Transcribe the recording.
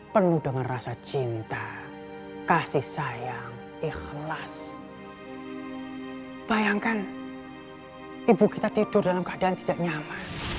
penuh dengan rasa cinta kasih sayang ikhlas bayangkan ibu kita tidur dalam keadaan tidak nyala